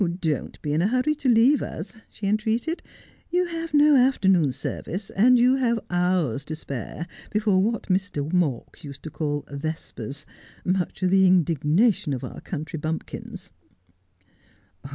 ' Don't be in a hurry to leave us,' she entreated. ' You have no afternoon service, and you have hours to spare before what Mr. Mawk used to call vespers — much to the indignation of our country bumpkins.'